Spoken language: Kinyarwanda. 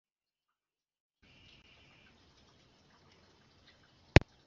Ibyemezo bifatwa n ubwiganze bw amajwi